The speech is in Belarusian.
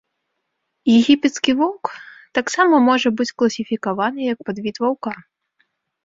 Егіпецкі воўк таксама можа быць класіфікаваны як падвід ваўка.